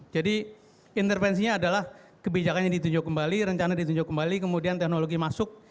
jadi intervensinya adalah kebijakannya ditinjau kembali rencana ditinjau kembali kemudian teknologi masuk